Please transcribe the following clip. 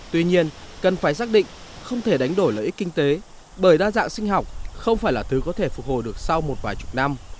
tuy nhiên cần phải xác định không thể đánh đổi lợi ích kinh tế bởi đa dạng sinh học không phải là thứ có thể phục hồi được sau một vài chục năm